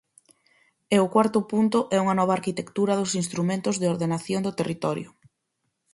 E o cuarto punto é unha nova arquitectura dos instrumentos de ordenación do territorio.